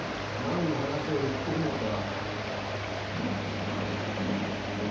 なんの話を言ってるのか。